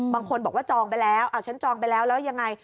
บางคนบอกว่าจองไปแล้วฉันจองไปแล้วแล้วยังไง